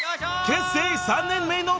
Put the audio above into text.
［結成３年目の＃